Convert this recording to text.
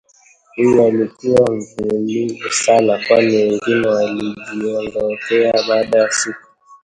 huyu alikuwa mvumilivu sana kwani wengine walijiondokea baada ya siku